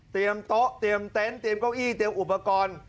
เตรียมโต๊ะเตรียมเตนท์เตรียมก้องอี้เตรียมอุปกรณ์